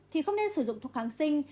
thì không nên sử dụng thuốc kháng sinh